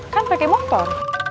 kan pakai motor